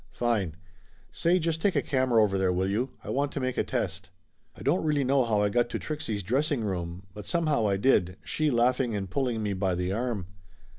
Fine! Say, just take a camera over there, will you! I want to make a test." I don't really know how I got to Trixie's dressing room, but somehow I did, she laughing and pulling me by the arm.